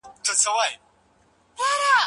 اقتصاد پخپله نه جوړيږي بلکې کار غواړي.